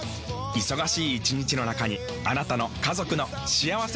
忙しい一日の中にあなたの家族の幸せな時間をつくります。